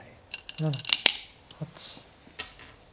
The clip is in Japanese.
７８。